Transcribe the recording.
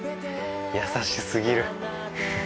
優し過ぎる。